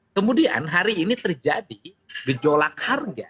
kemudian hari ini terjadi gejolak harga